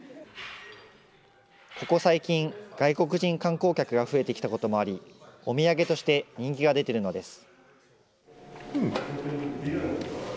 ここ最近、外国人観光客が増えてきたこともあり、お土産として人気が出ているのです。